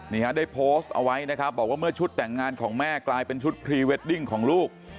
ได้โพสต์เอาไว้นะครับบอกว่าเมื่อชุดแต่งงานของแม่กลายเป็นชุดพรีเวดดิ้งของลูก